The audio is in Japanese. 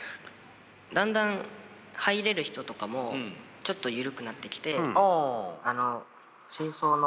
だんだん入れる人とかもちょっと緩くなってきて清掃のおじさんとか。